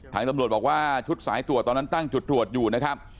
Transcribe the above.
ทางตำรวจบอกว่าชุดสายตรวจตอนนั้นตั้งจุดตรวจอยู่นะครับ